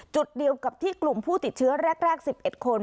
จุดเดียวกับที่กลุ่มผู้ติดเชื้อแรก๑๑คน